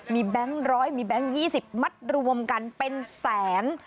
มีแบงค์ร้อยมีแบงค์๒๐มัดรวมกันเป็นแสน